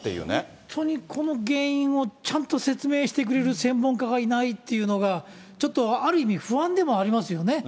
本当にこの原因をちゃんとせつめいしてくれるせんもんかがいないっていうのが、ちょっとある意味不安でもありますよね。